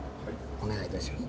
お願いいたします。